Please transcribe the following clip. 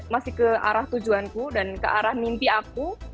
masih ke arah tujuanku dan ke arah mimpi aku